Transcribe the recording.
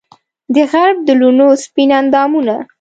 دغرب د لوڼو سپین اندامونه